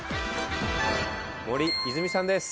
森泉さんです。